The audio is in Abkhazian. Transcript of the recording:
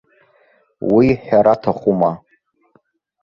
Уи ҳәара аҭахума.